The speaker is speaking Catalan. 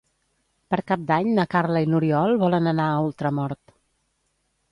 Per Cap d'Any na Carla i n'Oriol volen anar a Ultramort.